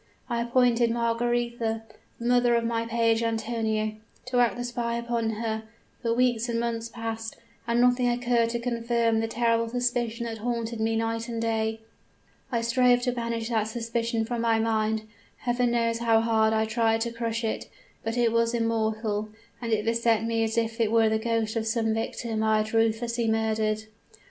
I appointed Margaretha, the mother of my page Antonio, to act the spy upon her; but weeks and months passed, and nothing occurred to confirm the terrible suspicion that haunted me night and day. I strove to banish that suspicion from my mind Heaven knows how hard I tried to crush it. But it was immortal and it beset me as if it were the ghost of some victim I had ruthlessly murdered.